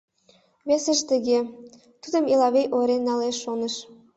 Весыже тыгае: тудым Элавий ойырен налеш, шоныш.